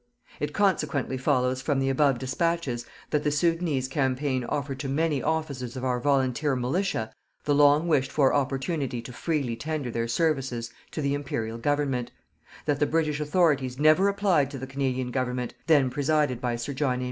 It consequently follows from the above despatches that the Soudanese campaign offered to many officers of our volunteer Militia the long wished for opportunity to freely tender their services to the Imperial Government; that the British authorities never applied to the Canadian Government, then presided by Sir John A.